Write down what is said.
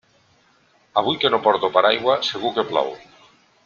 Avui que no porto paraigua segur que plou.